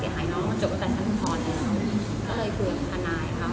คำตอบคือว่าพวกเรานี้ก็แค่ผ้าติดต่อมามายา